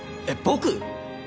えっ僕！？